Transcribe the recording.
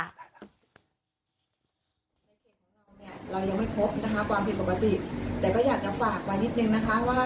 เรายังไม่พบนะคะความผิดปกติแต่ก็อยากจะฝากมานิดหนึ่งนะคะ